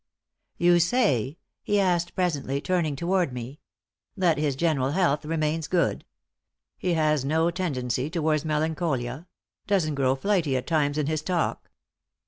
"You say," he asked, presently, turning toward me, "that his general health remains good? He has no tendency towards melancholia; doesn't grow flighty at times in his talk?"